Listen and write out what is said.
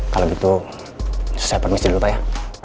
kalau gitu saya permis dulu pak ya